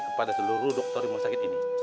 kepada seluruh dokter rumah sakit ini